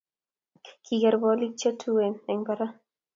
Kigeer bolik chetuen eng barak